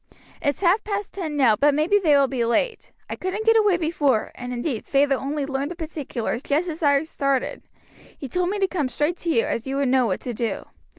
It's half past ten now, but maybe they will be late. I couldn't get away before, and indeed feyther only learned the particulars just as I started. He told me to come straight to you, as you would know what to do.